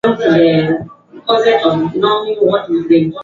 Rais Samia alikwepa mtego wa Mzee Bigambo kule Chato siku ya mazishi ya Magufuli